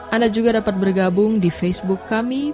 anda juga dapat bergabung di facebook kami